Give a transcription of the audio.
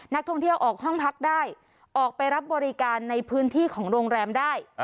นักท่องเที่ยวออกห้องพักได้ออกไปรับบริการในพื้นที่ของโรงแรมได้